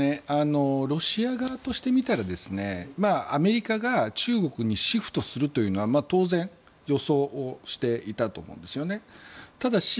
ロシア側としてみたらアメリカが中国にシフトするというのは当然予想していたと思うんですよね。